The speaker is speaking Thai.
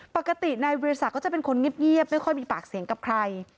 ปกตินายวิทยาศักดิ์ก็จะเป็นคนเงียบไม่ค่อยมีปากเสียงกับใคร